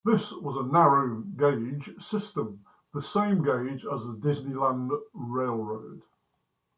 This was a narrow-gauge system, the same gauge as the Disneyland Railroad.